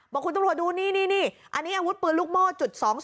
บอกคุณตำรวจดูนี่อันนี้อาวุธปืนลูกโม่จุด๒๒